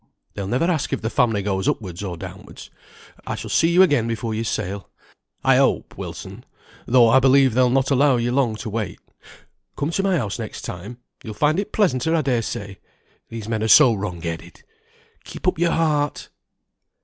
They'll never ask if the family goes upwards or downwards. I shall see you again before you sail, I hope, Wilson; though I believe they'll not allow you long to wait. Come to my house next time; you'll find it pleasanter, I daresay. These men are so wrong headed. Keep up your heart!"